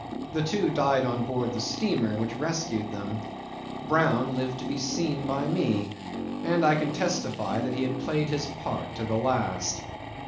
The two died on board the steamer which rescued them. Brown lived to be seen by me, and I can testify that he had played his part to the last.